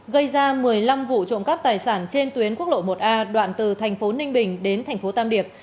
gây ra một mươi năm vụ trộm cắp tài sản trên tuyến quốc lộ một a đoạn từ thành phố ninh bình đến thành phố tam điệp